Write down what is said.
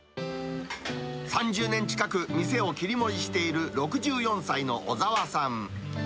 ３０年近く、店を切り盛りしている６４歳の小澤さん。